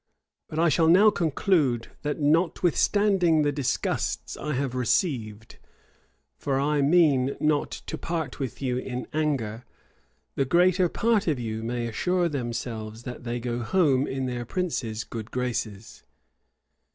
But I shall now conclude, that, notwithstanding the disgusts I have received, (for I mean not to part with you in anger), the greater part of you may assure themselves that they go home in their prince's good graces."